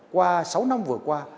qua sáu năm vừa qua